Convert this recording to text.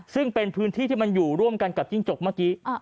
ซึ่งเป็นพื้นที่ที่มันอยู่ร่วมกันกับจิ้งจกเมื่อกี้